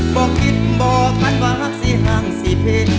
บอกคิดบอกกันว่าสิห่างสิเพ